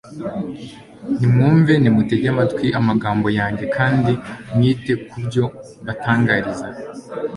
nimwumve, nimutege amatwi amagambo yanjye, kandi mwite ku byo mbatangariza